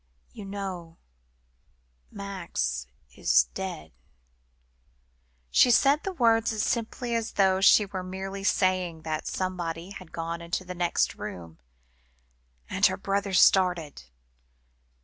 You know Max is dead?" She said the words as simply as though she were merely saying that somebody had gone into the next room, and her brother started.